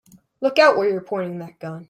Look out where you're pointing that gun!